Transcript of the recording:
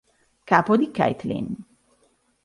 Capo di Caitlin.